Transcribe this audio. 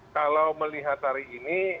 kalau melihat hari ini